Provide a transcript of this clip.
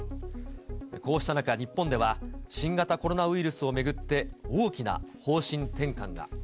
こうした中、日本では、新型コロナウイルスを巡って大きな方針転換が。